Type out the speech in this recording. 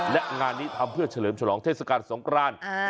และงานนี้ทำเพื่อเฉลิมฉลองเทศกาลสงคราน